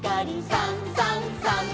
「さんさんさん」